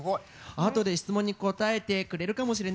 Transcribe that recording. あとで質問に答えてくれるかもしれないよ。